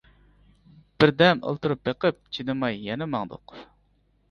بىردەم ئولتۇرۇپ بېقىپ، چىدىماي يەنە ماڭدۇق.